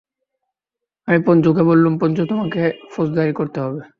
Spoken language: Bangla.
আমি পঞ্চুকে বললুম, পঞ্চু, তোমাকে ফৌজদারি করতে হবে।